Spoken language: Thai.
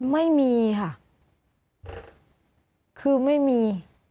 ไม่มีค่ะคือไม่มี